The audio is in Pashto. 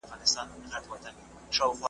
پټ په زړه کي پر اقرار یو ګوندي راسي `